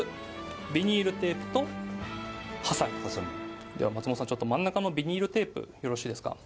ビニールテープとハサミでは松本さん真ん中のビニールテープよろしいですか